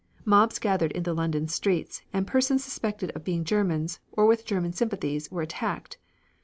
Mobs gathered in the London streets, and persons suspected of being Germans, or with German sympathies, were attacked.